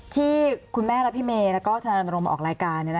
ที่คุณแม่และพี่เมย์แล้วก็ธนารณรงค์มาออกรายการ